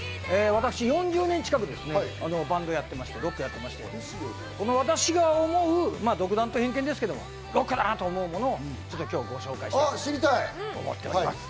私、４０年近くバンドをやっていまして、ロックをやっていまして、この私が思う独断と偏見ですけど、ロックだなと思うものを今日はご紹介したいと思います。